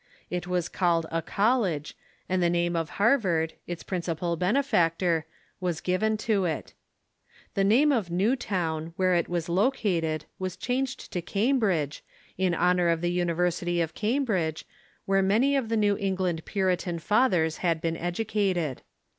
It Avas called a college, and the name of Harvard, its principal benefactor, was given to it. The name of Newtown, where it Avas located, was changed to Cambridge, in honor of the University of Cambridge, where many of the New England Puritan fathers had been educated.